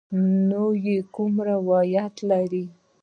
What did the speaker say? نه یې کوم روایت لرې.